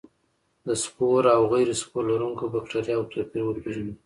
د سپور او غیر سپور لرونکو بکټریا توپیر وپیژني.